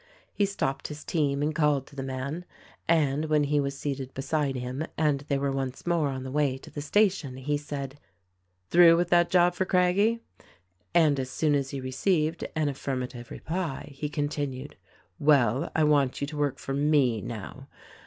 He stopped his team and called to the man ; and when he was seated beside him and they were once more on the way to the station he said, "Through with that job for Craggie?" and as soon as he received an affirma tive reply he continued, "Well, I want you to work for me now.